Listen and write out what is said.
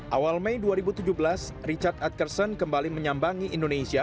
awal mei dua ribu tujuh belas richard edkerson kembali menyambangi indonesia